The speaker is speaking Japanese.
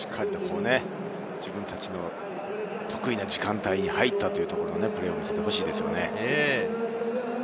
ここでしっかりと自分たちの得意な時間帯に入ったというプレーを見せてほしいですよね。